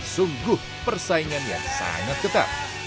sungguh persaingan yang sangat ketat